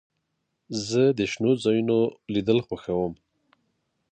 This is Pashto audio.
زه د شنو ځایونو لیدل خوښوم.